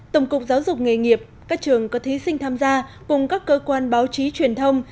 tổng cục giáo dục nghề nghiệp các trường có thí sinh tham gia cùng các cơ quan báo chí truyền thông